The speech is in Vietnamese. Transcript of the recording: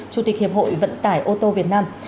chủ tịch hiệp hội vận tải ô tô việt nam